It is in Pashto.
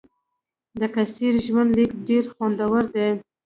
د قیصر ژوندلیک ډېر خوندور دی.